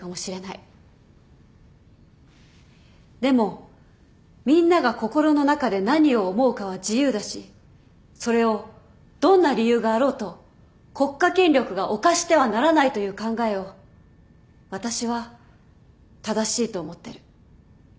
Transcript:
でもみんなが心の中で何を思うかは自由だしそれをどんな理由があろうと国家権力が侵してはならないという考えを私は正しいと思ってる。